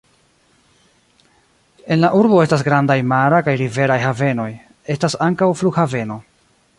En la urbo estas grandaj mara kaj rivera havenoj; estas ankaŭ flughaveno.